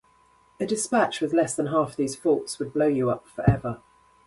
A dispatch with less than half these faults would blow you up forever.